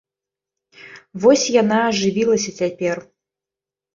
Вось яна ажывілася цяпер.